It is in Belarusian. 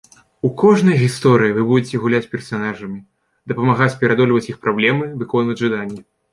У кожнай гісторыі вы будзеце гуляць персанажамі, дапамагаць пераадольваць іх праблемы, выконваць жаданні.